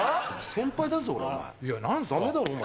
先輩だぞ俺お前ダメだろお前。